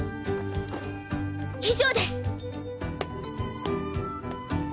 以上です！